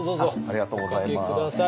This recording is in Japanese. ありがとうございます。